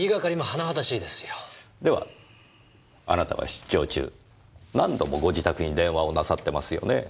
ではあなたは出張中何度もご自宅に電話をなさってますよねぇ。